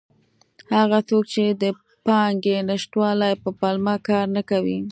هغه څوک چې د پانګې نشتوالي په پلمه کار نه کوي.